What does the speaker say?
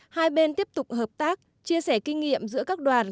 hai bên tiếp tục hợp tác chia sẻ kinh nghiệm giữa các đoàn